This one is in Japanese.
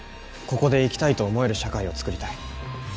ここで生きたいと思える社会を作りたい。